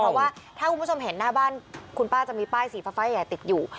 เพราะว่าถ้าคุณผู้ชมเห็นหน้าบ้านคุณป้าจะมีป้ายสีฟ้าใหญ่ติดอยู่